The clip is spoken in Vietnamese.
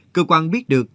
cơ quan biết được